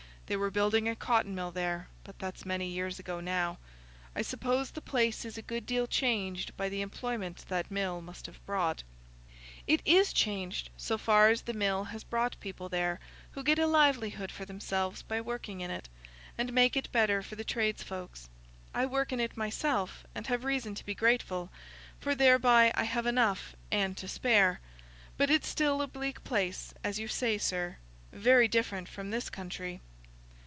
They were building a cotton mill there; but that's many years ago now. I suppose the place is a good deal changed by the employment that mill must have brought." "It is changed so far as the mill has brought people there, who get a livelihood for themselves by working in it, and make it better for the tradesfolks. I work in it myself, and have reason to be grateful, for thereby I have enough and to spare. But it's still a bleak place, as you say, sir—very different from this country."